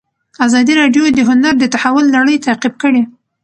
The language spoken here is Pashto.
ازادي راډیو د هنر د تحول لړۍ تعقیب کړې.